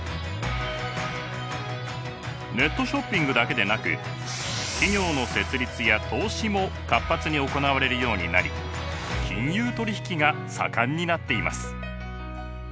ネットショッピングだけでなく企業の設立や投資も活発に行われるようになり金融取引が盛んになっています。